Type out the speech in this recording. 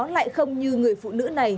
lại không như người phụ nữ này